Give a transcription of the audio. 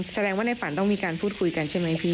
แสดงว่าในฝันต้องมีการพูดคุยกันใช่ไหมพี่